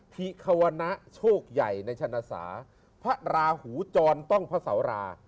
ทิควะนะโชคใหญ่ในชนศาษณ์พระราหูจรต้องพระเสารา